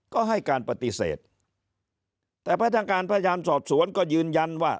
ก็ให้การปฏิเสธแต่พนักการพยายามสอบสวนก็ยืนยันว่า